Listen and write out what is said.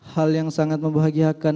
hal yang sangat membahagiakan